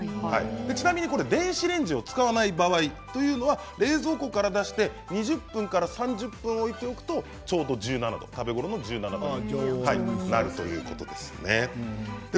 ちなみに電子レンジを使わない場合っていうのは冷蔵庫から出して２０分から３０分置いておくとちょうど１７度食べ頃の１７度になるということですね。